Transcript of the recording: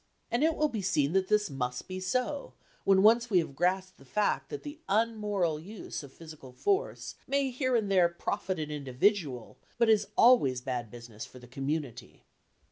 And it will be seen that this must be so, when once we have grasped the fact that the unmoral use of physical force may here and there profit an individual but is always bad business for the community.